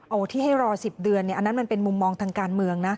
เอาที่ให้รอ๑๐เดือนอันนั้นมันเป็นมุมมองทางการเมืองนะ